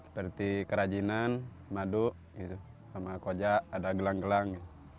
seperti kerajinan madu gitu sama kojak ada gelang gelang gitu